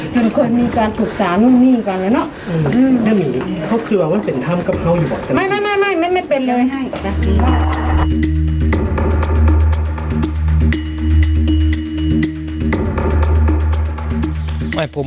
ถึงควรมีการถูกสาวนุ่มนี่กันแล้วเนอะอืมไม่ไม่ไม่ไม่ไม่ไม่เป็นเลย